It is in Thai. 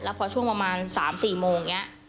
แล้วพอช่วงประมาณ๓๔โมงเนี่ย